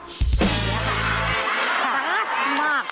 ตาท